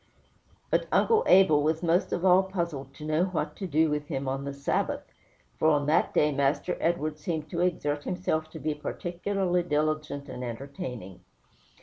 But Uncle Abel was most of all puzzled to know what to do with him on the Sabbath, for on that day Master Edward seemed to exert himself to be particularly diligent and entertaining.